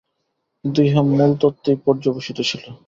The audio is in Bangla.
কিন্তু ইহা মূলতত্ত্বেই পর্যবসিত ছিল।